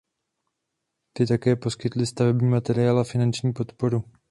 Ty také poskytly stavební materiál a finanční podporu.